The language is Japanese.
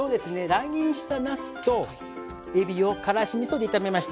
乱切りにしたなすとえびをからしみそで炒めました。